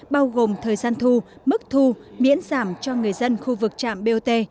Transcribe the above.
bao gồm thời gian thu mức thu miễn giảm cho người dân khu vực trạm bot